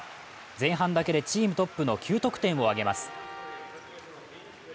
前半だけでチームトップの９得点を挙げます。